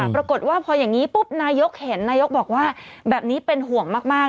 ปรากฏว่าพออย่างนี้ปุ๊บนายกเห็นนายกบอกว่าแบบนี้เป็นห่วงมาก